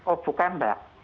oh bukan mbak